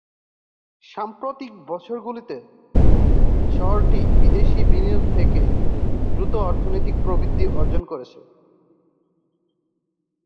সাম্প্রতিক বছরগুলিতে শহরটি বিদেশী বিনিয়োগ থেকে দ্রুত অর্থনৈতিক প্রবৃদ্ধি অর্জন করেছে।